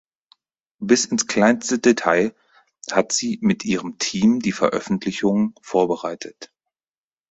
Bis ins kleinste Detail hat sie mit ihrem Team die Veröffentlichung vorbereitet.